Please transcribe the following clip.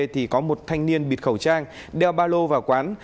thì có một thanh niên bịt khẩu trang đeo ba lô vào quán